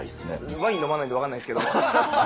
ワイン飲まないんで分からないんですけど。